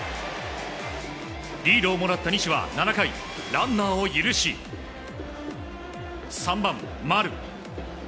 リードをもらった西は７回、ランナーを許し、３番丸。